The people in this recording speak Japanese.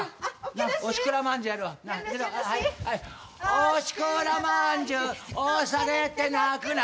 「押されて泣くな」